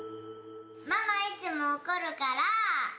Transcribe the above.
ママいつもおこるから。